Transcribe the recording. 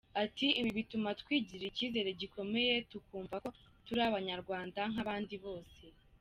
Ati “Ibi bituma twigirira icyizere gikomeye tukumva ko turi abanyarwanda nk’abandi bose.